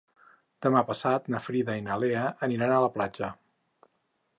Demà passat na Frida i na Lea aniran a la platja.